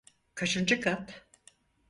Kaçıncı kat?